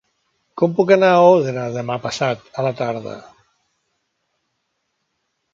Com puc anar a Òdena demà passat a la tarda?